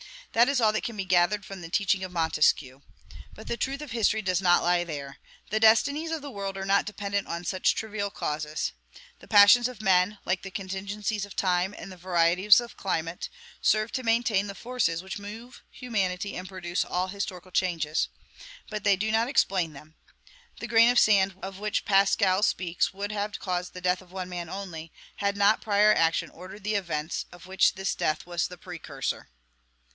That is all that can be gathered from the teachings of Montesquieu. But the truth of history does not lie there; the destinies of the world are not dependent upon such trivial causes. The passions of men, like the contingencies of time and the varieties of climate, serve to maintain the forces which move humanity and produce all historical changes; but they do not explain them. The grain of sand of which Pascal speaks would have caused the death of one man only, had not prior action ordered the events of which this death was the precursor.